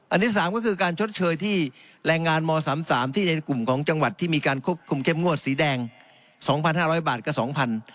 อันนี้๓ก็คือการชดเชยที่แรงงานม๓๓ที่ในกลุ่มของจังหวัดที่มีการควบคุมเข้มงวดสีแดง๒๕๐๐บาทกับ๒๐๐บาท